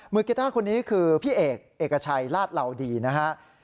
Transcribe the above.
กีต้าคนนี้คือพี่เอกเอกชัยลาดเหล่าดีนะฮะ